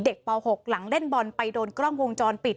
ป๖หลังเล่นบอลไปโดนกล้องวงจรปิด